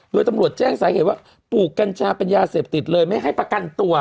โดยตำรวจแจ้งสาเหตุว่าปลูกกัญชาเป็นยาเสพติดเลยไม่ให้ประกันตัว